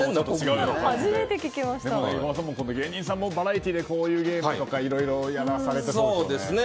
芸人さんたちもバラエティーでこういうゲームとかいろいろやらされてますよね。